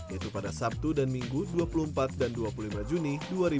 yaitu pada sabtu dan minggu dua puluh empat dan dua puluh lima juni dua ribu dua puluh